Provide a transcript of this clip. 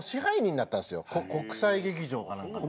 国際劇場か何かの。